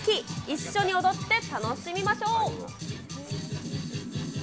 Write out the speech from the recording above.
一緒に踊って楽しみましょう。